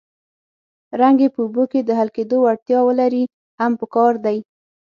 رنګ چې په اوبو کې د حل کېدو وړتیا ولري هم پکار دی.